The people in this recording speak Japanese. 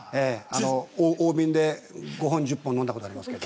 大瓶で５本、１０本飲んだことがありますけど。